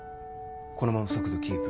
このまま速度キープ。